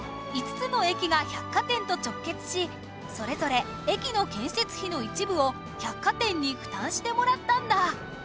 ５つの駅が百貨店と直結しそれぞれ駅の建設費の一部を百貨店に負担してもらったんだ